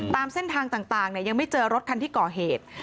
ตามเส้นทางต่างยังไม่เจอรถคันที่ก่อเหตุ